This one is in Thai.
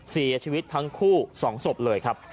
เสียชีวิตทั้งคู่๒ศพเลยครับ